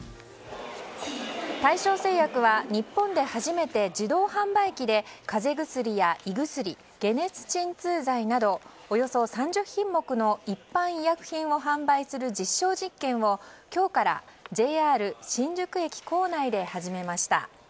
大正製薬は日本で初めて自動販売機で風邪薬や胃薬、解熱鎮痛剤などおよそ３０品目の一般薬品を販売する実証実験を今日からＪＲ新宿駅構内で始めました。